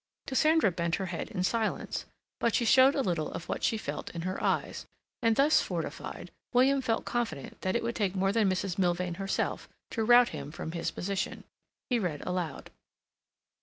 Cassandra bent her head in silence, but she showed a little of what she felt in her eyes, and thus fortified, William felt confident that it would take more than Mrs. Milvain herself to rout him from his position. He read aloud.